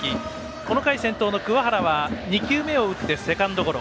この回、先頭の桑原は２球目を打ってセカンドゴロ。